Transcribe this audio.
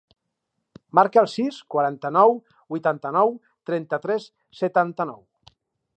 Marca el sis, quaranta-nou, vuitanta-nou, trenta-tres, setanta-nou.